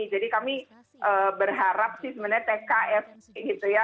jadi kami berharap sih sebenarnya tk sd gitu ya